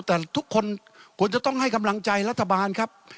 แต่ทุกคนควรจะต้องให้กำลังใจรัฐบาลครับ